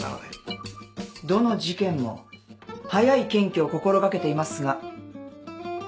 どの事件も早い検挙を心掛けていますが。